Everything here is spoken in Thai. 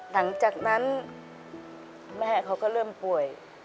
หลังจากนั้นแม่เขาก็เริ่มป่วย